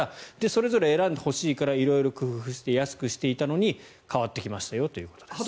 それぞれ選んでほしいから色々工夫して安くしていたのに変わってきましたよということです。